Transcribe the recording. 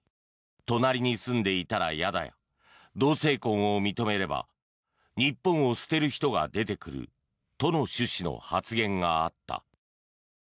隣に住んでいたら嫌だや同性婚を認めれば日本を捨てる人が出てくるとの趣旨の発言があった。